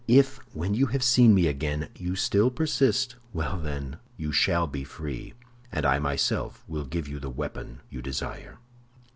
If, when you have seen me again, you still persist—well, then you shall be free, and I myself will give you the weapon you desire."